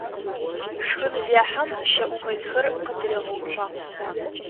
Шхынзехьэм щэӏумылхэр къытыригъэуцуагъ.